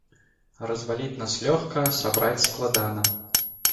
Разваліць нас лёгка, а сабраць складана.